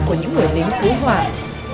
và những người lính cứu hoài